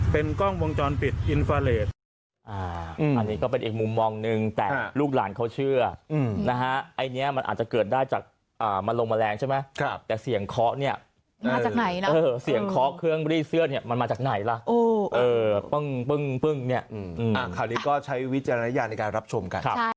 เป็นกล้องวงจรปิดอินฟาเรท